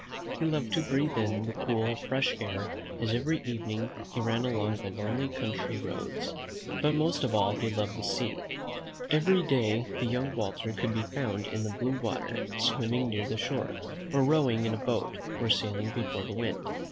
He loved to breathe in the cool, fresh air, as every evening he ran along the lonely country roads; but most of all he loved the sea. Every day the young Walter could be found in the blue water, swimming near the shore, or rowing in a boat, or sailing before the wind.